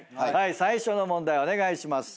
最初の問題お願いします。